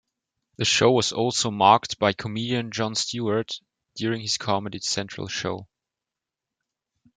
The show was also mocked by comedian Jon Stewart during his Comedy Central show.